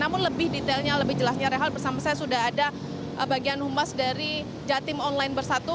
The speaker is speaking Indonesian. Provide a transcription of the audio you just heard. sebenarnya lebih jelasnya rehal bersama saya sudah ada bagian humas dari jatim online bersatu